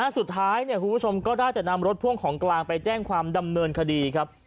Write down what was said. สุดท้ายคุณผู้ชมก็ได้แต่นำรถพ่วงของกลางไปแจ้งความดำเนินคดีครับ